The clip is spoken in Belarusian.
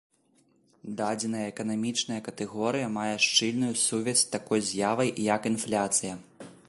Дадзеная эканамічная катэгорыя мае шчыльную сувязь з такой з'явай, як інфляцыя.